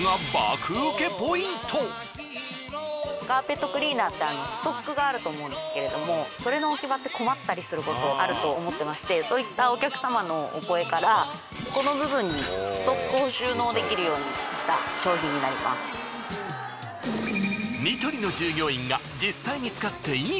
カーペットクリーナーってストックがあると思うんですけれどもそれの置き場って困ったりすることあると思ってましてそういったお客様のお声からここの部分にストックを収納できるようにした商品になります。